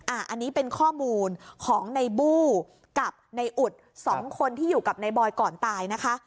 อันนี้เป็นข้อมูลของนายบู่กับนายอุด๒คนที่อยู่กับนายบอยก่อนตาย